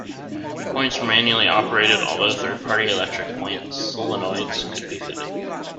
Points were manually operated, although third-party electric point solenoids could be fitted.